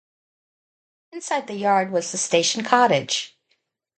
Inside the yard was the station cottage.